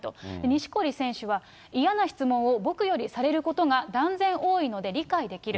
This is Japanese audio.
錦織選手は、嫌な質問を僕よりされることが断然多いので理解できる。